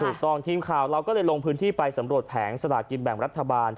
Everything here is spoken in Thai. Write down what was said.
ทีมข่าวเราก็เลยลงพื้นที่ไปสำรวจแผงสลากินแบ่งรัฐบาล